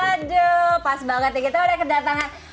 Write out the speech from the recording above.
waduh pas banget ya kita udah kedatangan